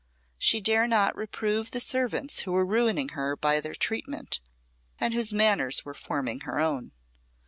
She dare not reprove the servants who were ruining her by their treatment, and whose manners were forming her own.